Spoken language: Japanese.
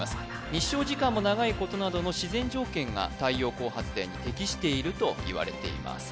日照時間も長いことなどの自然条件が太陽光発電に適しているといわれています